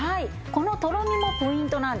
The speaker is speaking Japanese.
このとろみもポイントなんです。